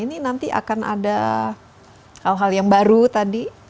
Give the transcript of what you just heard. ini nanti akan ada hal hal yang baru tadi